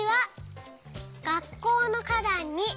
「がっこうのかだんに」